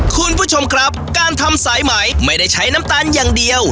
คุณผู้ชมครับการทำสายไหมไม่ได้ใช้น้ำตาลอย่างเดียว